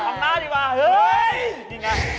หลังหน้าดีกว่าเฮ้ยดีไง